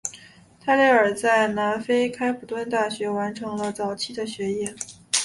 泰累尔在南非开普敦大学完成了早期的学业。